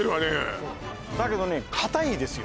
そうだけどね硬いんですよ